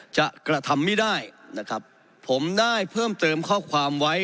กระทำไม่ได้นะครับผมได้เพิ่มเติมข้อความไว้